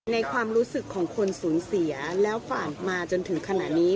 ในความรู้สึกของคนสูญเสียแล้วผ่านมาจนถึงขณะนี้